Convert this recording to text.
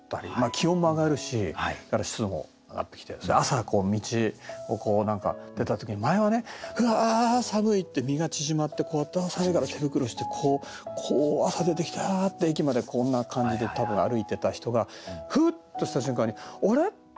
気温も上がるしそれから湿度も上がってきて朝こう道を何か出た時に前はね「うわ寒い」って身が縮まって寒いから手袋してこう朝出てきて「あ」って駅までこんな感じで多分歩いてた人がふっとした瞬間にあれ？